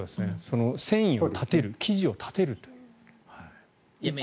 繊維を立てる生地を立てるという。